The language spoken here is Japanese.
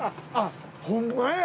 ホンマや。